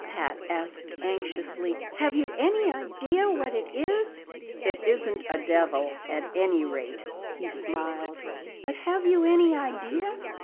Pat asked anxiously. "Have you any idea what it is?" "It isn't a devil, at any rate," he smiled. "But have you any idea?"